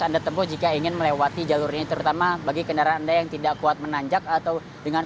anda temui jika ingin melewati jalurnya terutama bagi kendaraan yang tidak kuat menanjak atau dengan